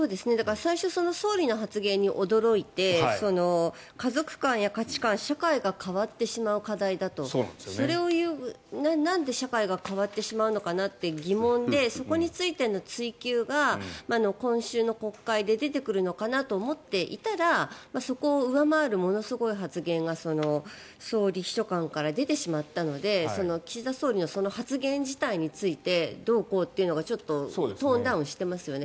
最初、総理の発言に驚いて家族観や価値観、社会が変わってしまう課題だとなんで社会が変わってしまうのかなって疑問でそこについての追及が今週の国会で出てくるのかなと思っていたらそこを上回るものすごい発言が総理秘書官から出てしまったので岸田総理のその発言自体についてどうこうというのがちょっとトーンダウンしてますよね。